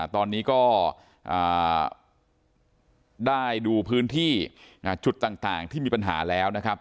ตอนนี้ก็ได้ดูพื้นที่จุดต่างที่มีปัญหาแล้วนะครับ